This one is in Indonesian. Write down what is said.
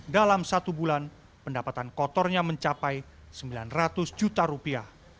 dalam satu bulan pendapatan kotornya mencapai sembilan ratus juta rupiah